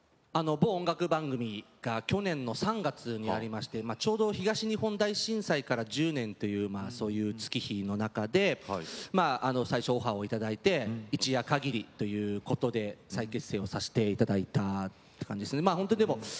某音楽番組が去年の３月にありましてちょうど東日本大震災から１０年という月日の中で最初オファーをいただいて一夜限りということで再結成させていただいたという感じですね。